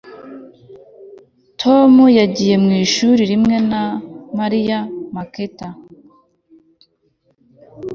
Tom yagiye mwishuri rimwe na Mariya meerkat